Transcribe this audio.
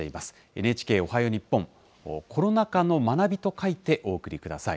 ＮＨＫおはよう日本、コロナ禍の学びと書いて、お送りください。